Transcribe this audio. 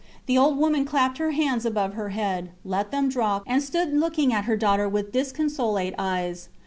The old woman clapped her hands above her head, let them drop, and stood looking at her daughter with disconsolate eyes.